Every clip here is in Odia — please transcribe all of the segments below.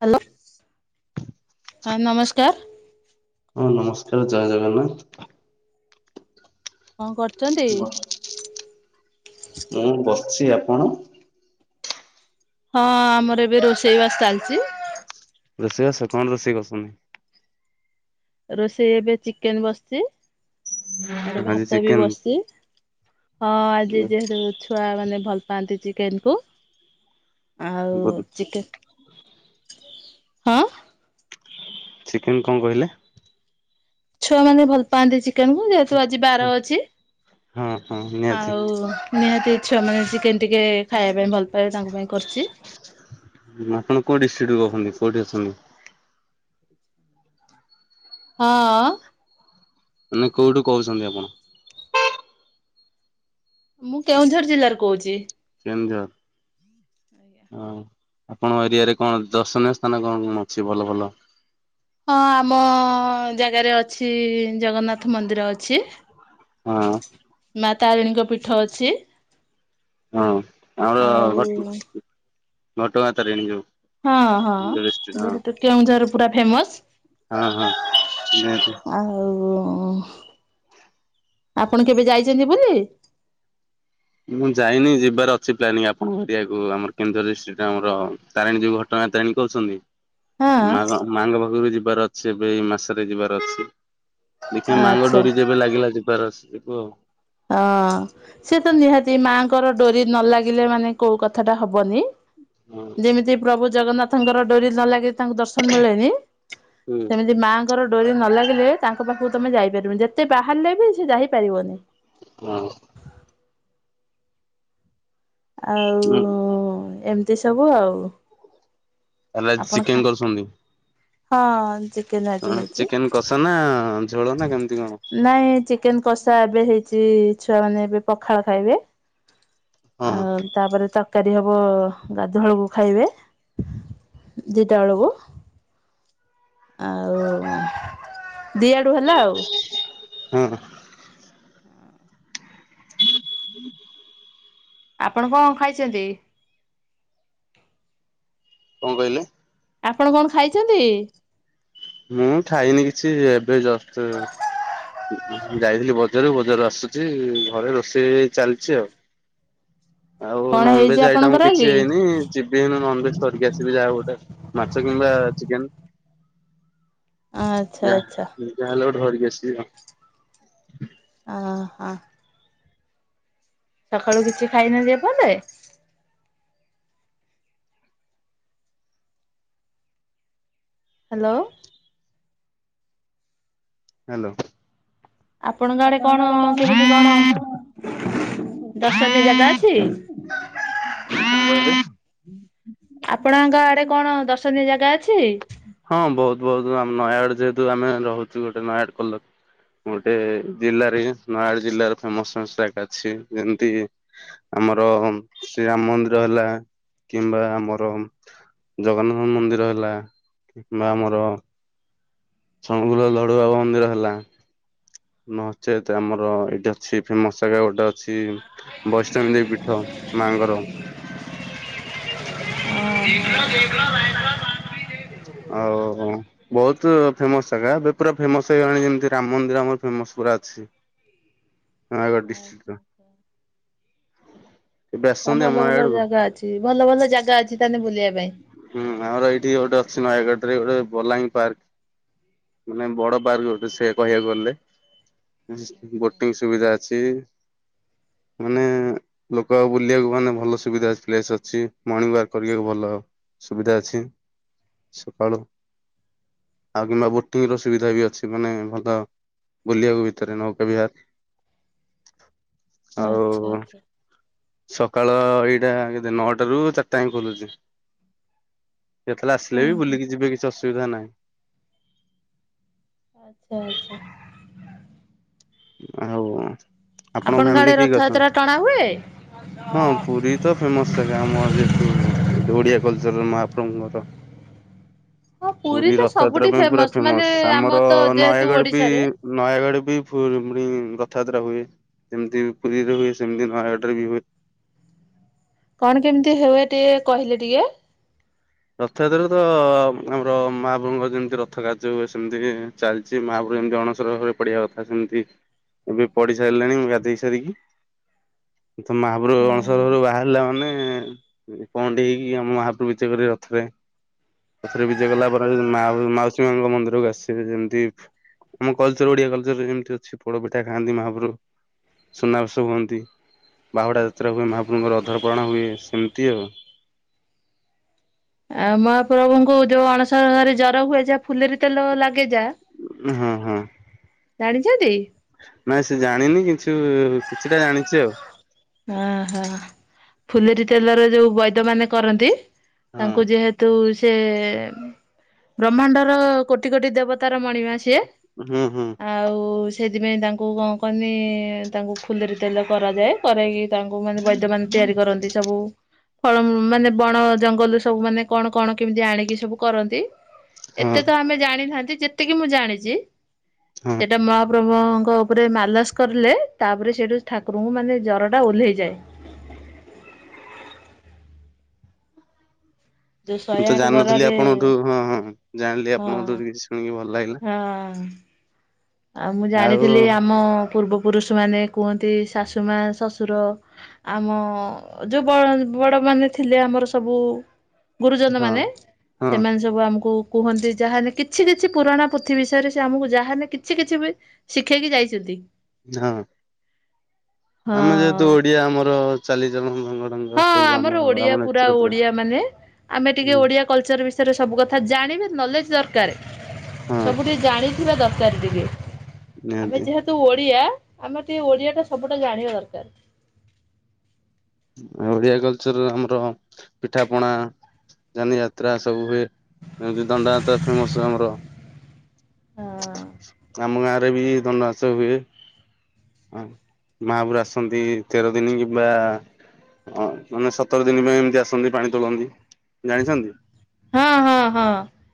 ହ୍ୟାଲୋ ହଁ ନମସ୍କାର। ହଁ ନମସ୍କାର ଜୟ ଜଗନ୍ନାଥ। କଣ କରୁଛନ୍ତି? ବସ୍ ମୁଁ ବସିଚି, ଆପଣ? ହଁ ଆମର ଏବେ ରୋଷେଇ ବାସ ଚାଲିଚି। ରୋଷେଇ ବାସ କଣ ରୋଷେଇ କରୁଛନ୍ତି? ରୋଷେଇ ଏବେ ଚିକେନ ବସିଚି। ଆଡେ ଆଜି ଭାତ ବି ଚିକେନ? ବସିଚି, ହଁ ଆଜି ଯେହେତୁ ଛୁଆ ମାନେ ଭଲ ପାନ୍ତି ଚିକେନକୁ। ବଦ ହଁ। ଚିକେନ କଣ କହିଲେ? ଛୁଆମାନେ ଭଲ ପାଆନ୍ତି ଚି ତେଣୁ ଯେହେତୁ ଆଜି ବାର ଅଛି, ହଁ ହଁ ନିହାତି ଆଉ ନିହାତି ଛୁଆମାନେ ଚିକେନ ଟିକେ ଖାଇବା ପାଇଁ ଭଲ ପାଆ ଆପଣ କୋଉ ଡିଷ୍ଟ୍ରିକ୍ଟ ରୁ କହୁଚନ୍ତି? କୋଉଠି ଅଛନ୍ତି? ହଁ। ମାନେ କୋଉଠୁ କୋହୁଚନ୍ତି ଆପଣ? ମୁଁ, କେଉଁଝର ଜିଲ୍ଲାରୁ କୋହୁଚି। କେଉଁଝର। ହଁ, ଆପଣଙ୍କ ଏରିଆରେ କଣ ଦର୍ଶନୀୟ ସ୍ଥାନ କଣ, କଣ ଅଛି ଭଲ ଭଲ? ହଁ, ଆମ ଜାଗାରେ ଅଛି ଜଗନ୍ନାଥ ମନ୍ଦିର ଅଛି, ହଁ ମା ତାରିଣୀଙ୍କ ପୀଠ ଅଛି। ହଁ ଆମର ଆଉ ଘଟ ଘଟଗାଁ ତାରିଣୀ ଯୋଉ। ହଁ, ହଁ, ଯୋଉ ଡିଷ୍ଟ୍ରିକ୍ଟ ହଁ ଯେହେତୁ କେଉଁଝର ପୁରା ଫେମସ। ହଁ ହଁ ନିହାତି। ଆଉ ଓ ଆପଣ କେବେ ଯାଇଚନ୍ତି ବୋଲି? ମୁଁ ଯାଇନି, ଯିବାର ଅଛି ପ୍ଲାନିଂ ଆପଣଙ୍କ ଏରିଆକୁ ଆମର କେଉଁଝର ଡିଷ୍ଟ୍ରିକ୍ଟା ଆମର ତାରିଣୀ ଯୋଉ ଘଟ [unintelligible] ହଁ ମାଙ୍କ ମାଙ୍କ ପାଖକୁ ଯିବାର ଅଛି, ଏବେ ଏଇ ମାସରେ ଯିବାର ଅଛି। ଦେଖିବା ମାଙ୍କ ଆଚ୍ଛା ଡୋରି ଯେବେ ଲାଗିଲା ଯିବାର ଅଛି, ଯିବୁ ଆଉ। ହଁ। ତ ନିହାତି ସେ ମାଆଙ୍କର ଡୋରି ନ ଲାଗିଲେ ମାନେ କଉ କଥାଟା ହବନି। ହଁ ଯେମିତି ପ୍ରଭୁ ଜଗନ୍ନାଥଙ୍କର ଡୋରି ନଲାଗେ ତାଙ୍କୁ ଦର୍ଶନ ମିଳେନି। ସେମିତି ମାଙ୍କ ର ଡୋରି ନ ଲାଗିଲେ, ତାଙ୍କ ପାଖକୁ ତମେ ଯାଇପାରିବନି। ଯେତେ ବାହାରିଲେ ବି ସେ ଯାଇପାରିବନି। ହଁ। ହୁଁ ଆଉ ଏମିତି ସବୁ ଆଉ। ହେଲେ ଆପଣ ଖା ଚିକେନ କରୁଛନ୍ତି। ହଁ, ଚି ଚିକେ ଆଜି ହଁ ହେଇଚି, ଚିକେନ କଷା ନା ଝୋଳ ନା କେମିତି କଣ? ନାଇଁ ଚିକେନ କଷା ଏବେ ହେଇ ଛୁଆମାନେ ଏବେ ପଖାଳ ଖାଇବେ, ହଁ ଆଉ ତାପରେ ତରକାରୀ। ହବ ଗାଧୁଆ ବେଳକୁ ଖାଇବେ, ଦିଟା ବେଳକୁ। ଆଉ ଦିଆଡୁ ହେଲା ଆଉ। ହୁଁ। [inaudible] ଆପଣ କଣ ଖାଇଚନ୍ତି? କଣ କହିଲେ? ଆପଣ କଣ ଖାଇଚନ୍ତି? ମୁଁ ଖାଇନି କିଛି, ଏବେ ଜଷ୍ଟ ଯାଇଥିଲି ବଜାରକୁ ବଜାରରୁ ଆସୁଚି, ଘରେ ରୋଷେଇ ଚାଲିଚି ଆଉ। [inaudible] ଆଉ କଣ ହେଇଛି ନନଭେଜ ଆଇଟମ ଆପଣଙ୍କର କିଛି ଆଜି? ହେଇନି ଯିବି ନନଭେଜ ଧରିକି ଆସିବି ଯାହା ଗୋଟେ ମାଛ। କିମ୍ବା ଚିକେନ୍। ଆଚ୍ଛା ଆଚ୍ଛା ଯାହା ଯାହାହେଲେ ଗୋଟେ ଧରିକି ଆସିବି ଆଉ। ଆଁ ହଁ। ସକାଳୁ କିଛି ଖାଇନାହାନ୍ତି ଏପର୍ଯ୍ୟନ୍ତ? ହ୍ୟାଲୋ। ହ୍ୟାଲୋ। ଆପଣଙ୍କ ଆଡେ କଣ। ଦର୍ଶନୀୟ ଜାଗା ଅଛି? [unintelligible] [unintelligible] ଆପଣଙ୍କ ଆଡେ କଣ ଦର୍ଶନୀୟ ଜାଗା ଅଛି? ହଁ ବହୁତ ବହୁତମ ନୟାଗଡ ଯେହେତୁ ଆମେ ରହୁଛୁ ଗୋଟେ ନୟାଗଡ କଲୋ ଗୋଟେ ଜିଲ୍ଲାରେ ନୟାଗଡ଼ ଜିଲ୍ଲାର ଫେମସାଗ ଅଛି ଯେମିତି ଆମର ଶ୍ରୀରାମ ମନ୍ଦିର ହେଲା। କିମ୍ବା ଆମର ଜଗନ୍ନାଥ ମନ୍ଦିର ହେଲା କିମ୍ବା ଆମର ସଣଗଲ ଲଡୁବାବା ମନ୍ଦିର ହେଲା। ନଚେ ତ ଆମର ଏଇଟି ଅଛି ଫେମସ ଜାଗା ଗୋଟେ ଅଛି ବୈଷ୍ଣବୀ ଦେବୀ ପୀଠ। ମାଙ୍କର। ଓହୋ। ଓ ବହୁତ ଫେମସ ଜାଗା ଏବେ ପୁରା ଫେମସ ହେଇଗଲାଣି ଯେମିତି ରାମ ମନ୍ଦିର ଆମର ଫେମସ। ଅଛି। ନୟାଗଡ଼ ଆଚ୍ଛା ଡିଷ୍ଟ୍ରିକଟର। ଆଚ୍ଛା। ତା ଭଲ ଭଲ ଜାଗା ଅଛି ଭଲ ଭଲ ଜାଗା ଅଛି ତାେଲେ ବୁଲିବା ପାଇଁ। ହୁଁ ଆମର ଏଇଠି ଗୋଟେ ଅଛି ନୟାଗଡ଼ ରେ ଗୋଟେ ବଲାଙ୍ଗୀ ପାର୍କ। ମାନେ ବଡ ପାର୍କ ଗୋଟେ ସେ କହିବାକୁ ଗଲେ। [unintelligible] ସୁବିଧା ଅଛି। ମାନେ ଲୋକ ଆଉ ବୁଲିବାକୁ ମାନେ ଭଲ ସୁବିଧା ଅ ପ୍ସ୍ ଅଛି ମର୍ଣିଙ୍ଗ ୱାକ କରିବାକୁ ଭଲ। ସୁବିଧା ଅଛି ସକାଳୁ ଆଉ କିମ୍ବା ବୋଟିଂ ର ସୁବିଧା ବି ଅଛି ମାନେ ଭଲ। ବୁଲିବାକୁ ଭିତରେ ନୌକା ବିହାର। ଆଚ୍ଛା ଆଉ ଆଚ୍ଛା ସକାଳ ଏଇଟା କେ ନଅଟା ରୁ ଚାରିଟା ଯ ଖୋଲୁଛି। ଯେତେବେଳେ ହୁଁ ଆସିଲେ ବି ହୁଁ ବୁଲିକି ଯିବେ କିଛି ଅସୁବିଧା ନାହିଁ। ଆଛା ଆଛା। ହଉ ଆପଣଙ୍କ ଫ୍ୟାମିଲି ଆଡେ କିଏ ଅଛନ୍ତି? ରଥଯାତ୍ରା ଟଣା ହୁଏ? ହଁ ପୁରୀ ତ ଫେମସେ ଆମର ଯେହେତୁ। [unintelligible] [unintelligible] ମହାପ୍ରଭୁ କଥା। ହଁ ପୁରୀ ତ ରଥଯାତ୍ରା ସବୁଠି ପାଇଁ ପୁରା ମାନେ ଫେମସ ଆମର ତ ଯେହେତୁ ନୟାଗଡ ବି ଓଡିଶାରେ ନୟାଗଡ ବି ପୁ ରଥଯାତ୍ରା ହୁଏ ଯେମିତି ପୁରୀରେ ହୁଏ ସେମିତି ନୟାଗଡ଼ ରେ ବି ହୁଏ। ହ କଣ କେମିତି ହୁଏ ଟିକେ କହିଲେ ଟିକେ? ରଥଯାତ୍ରା ତ ଆମର ମାହାଭଭୁଙ୍କର ଯେମିତି ରଥ କାର୍ଯ୍ୟ ହୁଏ ସେମିତି ଚାଲିଛି ମାହାଭବ ଏମତି ଅଣସର ଘରେ ପଢିବା କଥା ସେମିତି ଏବେ ପଢି ସାରିଲାଣି ମୁଁ ଗାଧେଇ ସାରିକି। [inaudible] ତ ମହାପ୍ରଭ ଅଣସର ଘରୁ ବାହାରିଲା ମାନେ କଡି ହେଇକି ଆମ ମହାପ୍ରଭୁ ବିଯେ କରି ବେ ପଥରେ ବିଜେ କଲା ପରେ ମା ମାଉସୀ ମାଙ୍କ ମନ୍ଦିରକୁ ଆସିବେ ଯେମିତି ଆମ କଲଚର ଓଡିଆ କଲଚର ଏମିତି ଅଛି ପୋଡପିଠା ଖାଆନ୍ତି ମହାପ୍ରଭୁ। ସୁନାବେସ ହୁଅନ୍ତି। ବାହୁଡା ଯାତ୍ରା ହୁଏ ମହାପ୍ରଭୁଙ୍କର ଅଧରପାଣ ହୁଏ ସେମିତି ଆଉ। ଆଉ ମହାପ୍ରଭୁଙ୍କୁ ଯୋଉ ଅଣସ ଘରେ ଜର ହୁଏ ଯାହା ଫୁଲରେ ତେଲ ଲାଗେ ଯା ହଁ ହଁ। ଜାଣିଛନ୍ତିଛନ୍ତି? ନାଇଁ ସେ ଜାଣିନି କିଛି, କିଛିଟା ଜାଣିଛି ଆଉ ଓହୋ, ଫୁଲେରୀ ତେଲର ଯୋଉ ବୈଦ୍ୟ ମାନେ କରନ୍ତି ହଁ ତାଙ୍କୁ ଯେହେତୁ ସେ ବ୍ରହ୍ମାଣ୍ଡର କୋଟି କୋଟି ଦେବତାର ମଣିମା ସିଏ ହୁଁ ହୁଁ ଆଉ ତାଙ୍କୁ ଦିନେ କଣ କହନି, ତାଙ୍କୁ ଫୁଲେରି ତେଲ କରାଯାଏ, କରାହେଇକି ତାଙ୍କୁ ମାନେ ବୈଦ୍ୟ ମାନେ ତିଆରି କରନ୍ତି ସବୁ ଫଳ ମାନେ ବଣ ଜଙ୍ଗଲ ସବୁ ମାନେ କଣ କଣ କେମିତି ଆଣିକି ସବୁ କରନ୍ତି । ହଁ ଏତେ ତ ଆମେ ଜାଣିନାହାନ୍ତି, ଯେତିକି ମୁଁ ଜାଣିଛି- ହଁ ସେଟା ମହାପ୍ରଭୁ ଙ୍କ ଉପରେ ମାଲାସ କଲେ ତାପରେ ସେଇଠୁ ଠାକୁରଙ୍କୁ ମାନେ ଜର ଟା ଓହ୍ଲେଇଯାଏ। ଜ ମୁଁ ତ ଆଠ ଜାଣିନଥିଲି। ଗରାରେ ଆପଣଙ୍କଠୁ ହଁ ହଁ ଜାଣିଲି, ହଁ ଆପଣଙ୍କଠୁ କିଛି ଶୁଣିକି ଭଲ ଲାଗିଲା। ହଁ ଅଁ ଆଉ ମୁଁ ଜାଣିଥିଲି ଆମ ପୂର୍ବ ପୁରୁଷମାନେ କୁହନ୍ତି, ଶାଶୁମା ଶ୍ୱଶୁର ଆମ ଯେଉଁ ବ ବଡ଼ ମାନେ ଥିଲେ ଆମର ସବୁ ଗୁରୁଜନ ମାନେ, ହଁ ସେମାନେ ସବୁ ଆମକୁ କୁହନ୍ତି, ଯାହାନେ କିଛି କିଛି ପୁରାଣ ପୋଥି ବିଷୟରେ ସେ ଆମକୁ ଯାହାନେ କିଛି କିଛି ବି ଶିଖେଇକି ଯାଇଛନ୍ତି। ନା ଆଁ ହଁ ଆମେ ଯେହେତୁ ଓଡିଆ ଆମର ଚାଲିଚଳନ ଢଙ୍ଗ ହଁ ସବୁ ଆମ ଆମର ଓଡିଆ ଆମ ପୁରା ନେଚର ଓଡିଆ ମାନେ, ଆମେ ଟିକେ ହୁଁ ଓଡିଆ କଲଚର ର ବିଷୟରେ ସବୁକଥା ଜାଣିବା ନଲେଜ୍ ଦରକାର। ହଁ ସବୁକିଛି ଜା ଥିବା ଦରକାର ଟିକେ, ଆମେ ନିହାତି ଯେହେତୁ ଓଡିଆ ଆମେ ଟିକେ ଓଡିଆ ଟା ସବୁଟା ଜାଣିବା ଦରକାର। ଓଡିଆ କଲଚର ଆମର ପିଠା ପଣା। ଯାନି ଯାତ୍ରା ସବୁ ହୁଏ। ଏମତି ଦଣ୍ଡନାଚ ଫେମସ ଆମର। ହଁ। ଆମ ଗାଁରେ ବି ଦଣ୍ଡ ନାଚ ହୁଏ। ହଁ ମାହାପୁରୁ ଆସନ୍ତି ତେର ଦିନି କିମ୍ୱା ହଁ ମାନେ ସତର ଦିନି ପାଇଁ ଏମତି ଆସନ୍ତି ପାଣି ତୋଳନ୍ତି, ଜାଣିଛନ୍ତି? ହଁ ହଁ ହଁ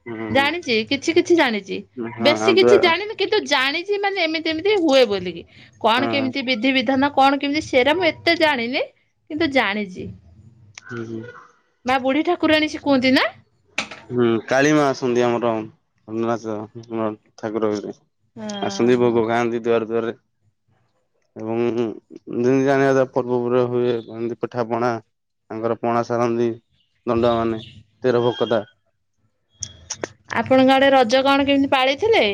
ହୁଁ ଜାଣିଛି, କିଛି କିଛି ଜାଣି ଛି ହଁ ବେଶୀ ଦୁ କିଛି ଜାଣିନି। କିନ୍ତୁ ଜାଣିଛି ମାନେ ଏମିତି ଏମିତି ହୁଏ ବଲିକି। କଣ ହଁ କେମିତି ବିଧିବିଧାନ? କଣ କେମିତି ସେରା ମୁଁ ଏତେ ଜାଣିନି। କିନ୍ତୁ ଜାଣିଚି। ହୁଁ ହୁଁ। କୁଅନ୍ତି ନା? ହୁଁ କାଳିମା ଆସନ୍ତି ଆମର [unintelligible] ଠାକୁରରେ। ହଁ ଆସନ୍ତି ଭୋଗ ହଁ। ଖାଆନ୍ତି ଦୁଆର ଦୁଆରରେ, ଏବଂ ଯେମିତି ଜାଣିବା ଦ ପର୍ବ [unintelligible] ହୁଏ। ଏମିତି ପିଠା ପଣା ତାଙ୍କର ପଣା ସାରନ୍ତି। ଦଣ୍ଡ ମାନେ ତେର ଭୋକତା ଆପଣଙ୍କ ଆଡେ ରଜ କଣ କେମିତି ପାଳିଥିଲେ?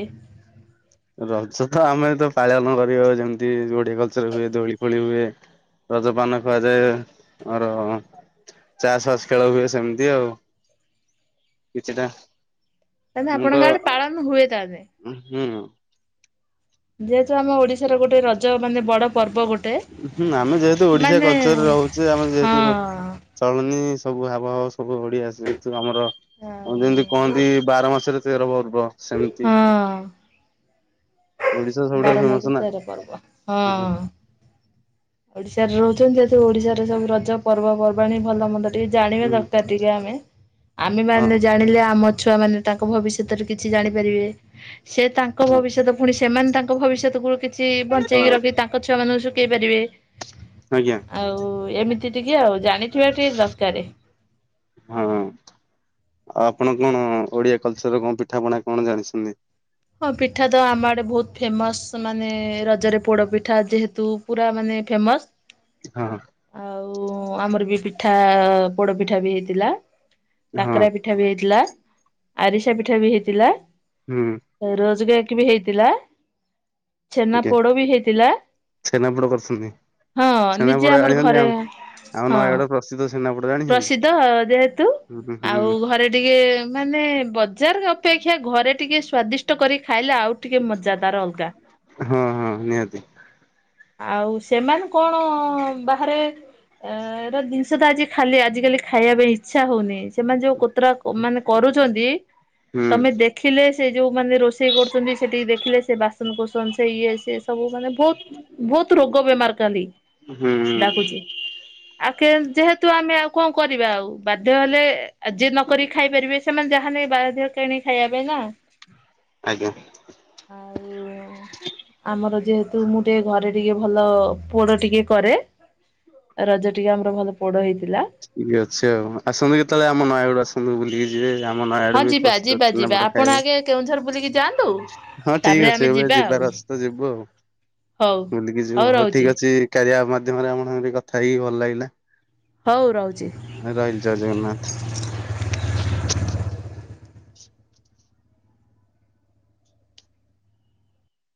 ରଜ ତ ଆମେ ତ ପାଳନ କରିବ, ଯେମିତି ଓଡିଆ କଲ ଚରରେ ହୁଏ ।ଦୋଳି ଫୋଳି ହୁଏ। ରଜ ପାନ ଖୁଆଯାଏ ଆର ଚାସ୍ ଫାସ୍ ଖେଳ ହୁଏ ସେମିତି ଆଉ, କିଛିଟା ତାହେଲେ ମୁଁ ଆପଣଙ୍କ ତ, ଆଡେ ପାଳନ ହୁଏ ତାହେଲେ। ହୁଁ ଉଁ ଯେହେତୁ ଆମ ଓଡିଶାର ଗୋଟେ ରଜ ମାନେ, ବଡ ପର୍ବ ଗୋ ହୁଁ, ଆମେ ଯେହେତୁ ଓଡିଶା କଲଚରେ ରହୁଛେ। ଆମ ଯେହେତୁ ହଁ। ଚଳନୀ ସବୁ ହାବଭାବ ସବୁ ଓଡିଆ ଯେହେତୁ ଆମର, ଯେମିତି ଆଉ କହନ୍ତି ବାର ମାସରେ ତେର ପର୍ ବ ସେମତି ବାର ମାଇକୁ ତେରେ ପର୍ବ, ହଁ ଅଁ ଓଡିଶାରେ ରହୁଛନ୍ତି ଯେହେତୁ, ଓଡିଶାରେ ସବୁ ରଜ ପର୍ବପର୍ବାଣୀ ଭଲ ମନ୍ଦ ଟିକେ ଜାଣିବା ହୁଁ ଦରକାର, ଟିକେ ଆମେ ଆମେ ହଁ ମାନେ ଜାଣିଲେ ଆମ ଛୁଆ ମାନେ ତାଙ୍କ ଭବିଷ୍ୟତରେ କିଛି ଜାଣିପାରିବେ, ସେ ତାଙ୍କ ହଁ ଭବିଷ୍ୟତ ପୁଣି ସେମାନେ ତାଙ୍କ ଭବିଷ୍ୟତ କୁ କିଛି ବଞ୍ଚେଇକି ହଁ ରଖି ତାଙ୍କ ଛୁଆ ମାନଙ୍କୁ ଶୁଖେଇ ପାରିବେ, ଆଜ୍ଞା ଆଉ ଏମିତି ଟି କେ ଆଉ ଜାଣିଥିବା ଟିକେ ଦରକାର। ହଁ। ଆଉ ଆପଣ କଣ, ଓଡିଆ କଲଚର କଣ ପିଠାପଣା କଣ ଜାଣିଛନ୍ତି? ହଁ ପିଠା ତ ଆମଡେ ବୋହୁତ ଫେମସ, ମାନେ ରଜରେ ପୋଡପିଠା ଯେହେତୁ ପୁରା ମାନେ ଫେମସ। ହଁ। କୁ ଆମର ବି ପିଠା ପୋଡ ପିଠା ବି ହେଇଥିଲା, ହଁ କାକରା ପିଠା ବି ହେଇଥିଲା। ଆରିସା ପିଠା ବି ହେଇଥିଲା। ହୁଁ। ରୋଜକେକ୍ ବି ହେଇଥିଲା, ଛେନା ଆଜ୍ଞା ପୋଡ ବି ହେଇଥିଲା। ଛେନାପୋଡ କରୁଛନ୍ତି, ହଁ ନିଜେ ଛେନାପୋଡ ଆମର ଆଣିଛନ୍ତି ଘରେ ଆଉ ଆମ ହଁ ନୟାଗଡ ପ୍ରସିଦ୍ଧ ଛେନାପୋଡ ଜାଣିଛନ୍ତି? ପ୍ରସିଦ୍ଧ ଯେହେତୁ ହୁଁ ହୁଁ ଆଉ ହୁଁ ଘରେ ଟିକେ ମାନେ ବ ବଜାର ଅପେକ୍ଷା ଘରେ ଟିକେ ସ୍ଵାଦିଷ୍ଟ କରି ଖାଇଲେ ଆଉ ଟିକେ ମଜା ତାର ଅଲଗା ହଁ ହଁ ନିହାତି ଆଉ ସେମାନେ କଣ ବାହାରେ ଅ ର ଜିନିଷ ତ ଆଜି ଖାଲି ଆଜିିକାଲି ଖାଇବା ପାଇଁ ଇଚ୍ଛା ହଉନି। ସେମାନେ ଯୋଉ କୁତୁରା ମାନେ କରୁଚନ୍ତି ହୁଁ ତମେ ଦେଖିଲେ ସେ ଯୋଉ ମାନେ ରୋଷେଇ କରୁଛନ୍ତି, ସେଠିକି ଦେଖିଲେ ସେ ବାସନ କସନ ସେ ଇଏ ସ ସେ ସବୁ ମାନେ ବୋହୁତ ବୋହୁତ ରୋଗ ଗୋବେ ମା [unintelligible] ହୁଁ। ଆଉ ଯେହେତୁ ଆମେ ଆଉ କଣ କରିବା ଆଉ ବାଧ୍ୟ ହେଲେ ଯିଏ ନକି ଖାଇପାରିବେ ସେମାନେ ଯାହା ହ କିଣି ଖାଇବା ପାଇଁ ନା। ଆଜ୍ଞା। ଆଉ ଆମର ଯେହେତୁ ମୁଁ ଟିକେ ଘରେ ଟିକେ ଭଲ ପୋଡ ଟିକେ କରେ, ରଜ ଟିକେ ଆମର ଭଲ ପୋଡ ହେଇ ଠିକ ଅଛି ଆଉ ଆସନ୍ତୁ କେତେବେଳେ ଆମ ନୟାଗଡ ଆସନ୍ତୁ ବୁଲିକି ଯିବେ। ମନ ଆଡେ ହଁ ବି ଯିବା ପ୍ରସିଦ୍ଧ ଯିବା ଛେନା ଯିବା ପୋଡ ଆପଣ ଖାଇବେ। ଆଗେ କେଉଁଝର ବୁଲିକି ଯାଆନ୍ତୁ। ହଁ ତାପରେ ଠିକ ଅଛି, ଆମେ ଏବେ ଯିବା ଆଉ ଯିବାାରସ ଯିବୁ ଆଉ। ହଉ ବୁଲିକି ଯ ହଉ ଠିକ ଅଛି, କାରିଆ ମାଧ୍ୟମରେ ଆମ ସାଙ୍ଗରେ କଥା ହେଇକି ଭଲ ଲାଗିଲା। ହଉ ରହୁଛି ରହିଲ ଜୟ ଜଗନ୍ନାଥ।